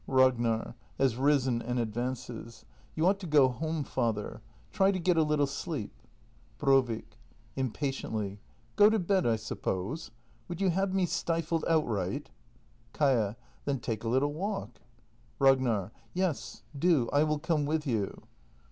Ragnar. [Has risen and advances] You ought to go home, father. Try to get a little sleep Brovik. [Impatiently.] Go to bed, I suppose? Would you have me stifled outright? Kaia. . Then take a little walk. Ragnar. Yes, do. I will come with you.